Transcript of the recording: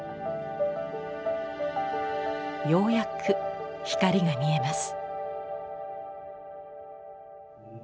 ようやく光が見えます。